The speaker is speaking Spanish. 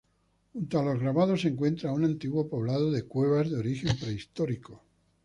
Junto a los grabados se encuentra un antiguo poblado de cuevas de origen prehistórico.